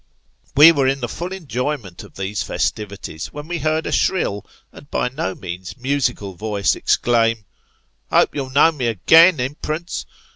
We were in the full enjoyment of these festivities when we heard a shrill, and by no means musical voice, exclaim, " Hope you'll know me agin, imperence